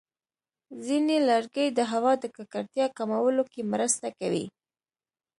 ځینې لرګي د هوا د ککړتیا کمولو کې مرسته کوي.